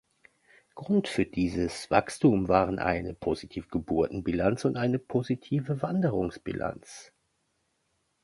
Grund für dieses Wachstum waren eine positive Geburtenbilanz und eine positive Wanderungsbilanz.